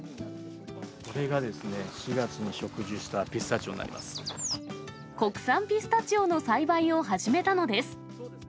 これがですね、４月に植樹し国産ピスタチオの栽培を始めたのです。